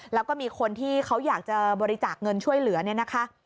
แล้วก็มีคนที่เขาอยากจะบริจาคเงินช่วยเหลือเนี่ยนะคะ